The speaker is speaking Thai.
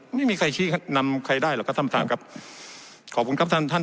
ไม่มีใครชี้นำใครได้หรอกครับท่านประธานครับขอบคุณครับท่านท่าน